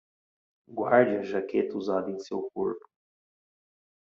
Guarde a jaqueta usada em seu corpo